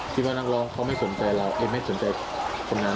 อ๋อพี่ว่านักร้องเขาไม่สนใจคนนั้น